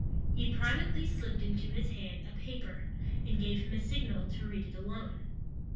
He privately slipped into his hand a paper, and gave him a signal to read it alone.